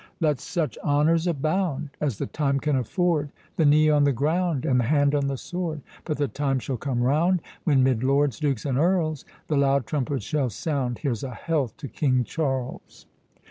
Let such honours abound As the time can afford. The knee on the ground, And the hand on the sword; But the time shall come round. When, 'mid Lords, Dukes, and Earls, The loud trumpets shall sound Here's a health to King Charles!